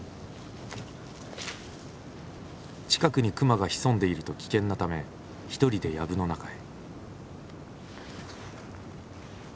近くに熊が潜んでいると危険なため一人でやぶの中へ。